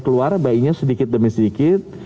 keluar bayinya sedikit demi sedikit